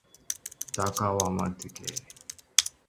তাকাও আমার দিকে।